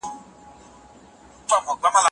څنګه خلګ د سوداګرۍ پیلولو ازادي لري؟